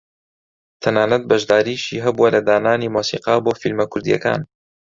تەنانەت بەشداریشی هەبووە لە دانانی مۆسیقا بۆ فیلمە کوردییەکان